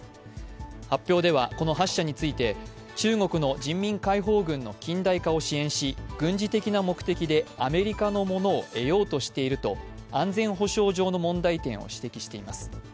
発表ではこの８社について中国の人民解放軍の近大かを支援し、軍事的な目的でアメリカのものを得ようとしていると、安全保障上の問題点を指摘しています。